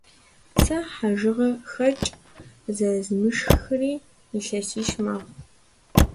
Сэ хьэжыгъэхэкӏ зэрызмышхрэ илъэсищ мэхъу.